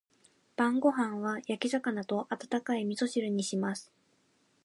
晩ご飯は焼き魚と温かい味噌汁にします。